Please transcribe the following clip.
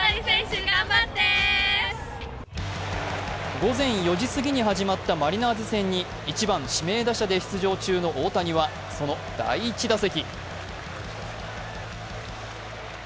午前４時過ぎに始まったマリナーズ戦に１番・指名打者で出場中の大谷は、その第１打席。